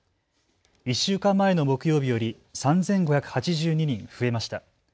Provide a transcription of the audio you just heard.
１週間前の木曜日より３５８２人増えました。